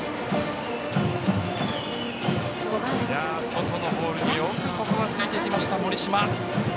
外のボールによくついていきました、盛島。